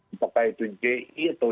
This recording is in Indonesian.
apakah itu ji atau